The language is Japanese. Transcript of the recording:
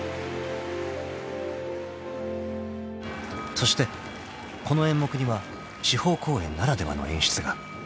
［そしてこの演目には地方公演ならではの演出が］